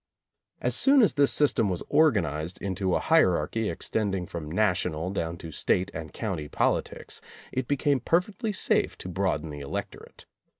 As soon as this system was organized into a hierarchy extending from national down to state and county politics, it became perfectly safe to broaden the electorate.